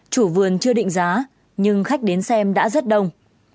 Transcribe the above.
chủ vườn chưa định giá nhưng khách đến xem đã rất đông